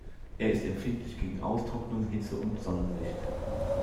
Er ist empfindlich gegen Austrocknung, Hitze und Sonnenlicht.